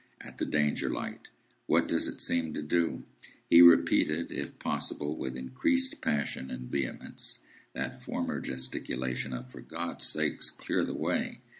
"At the Danger light." "What does it seem to do?" He repeated, if possible with increased passion and vehemence, that former gesticulation of, "For God's sake, clear the way!"